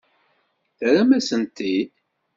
Terram-asent-t-id?